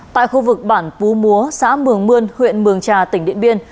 tại khu vực bản pú múa xã mường mươn huyện mường trà tỉnh điện biên